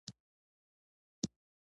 دا هغه څه دي چې شرقي ملکونه ځنې نه دي خلاص.